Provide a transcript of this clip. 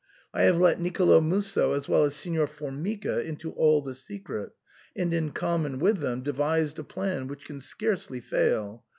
I have let Nicolo Musso as well as Signor Formica into all the secret, and in common with them devised a plan which can scarcely fail.